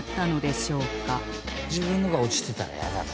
自分のが落ちてたらイヤだね。